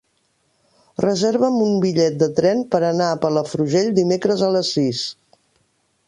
Reserva'm un bitllet de tren per anar a Palafrugell dimecres a les sis.